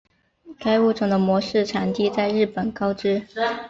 该物种的模式产地在日本高知。